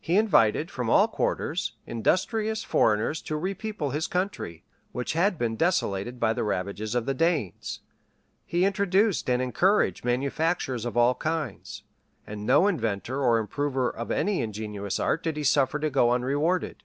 He invited, from all quarters, industrious foreigners to re people his country, which had been desolated by the ravages of the Danes.[*] He introduced and encouraged manufactures of all kinds, and no inventor or improver of any ingenious art did he suffer to go unrewarded.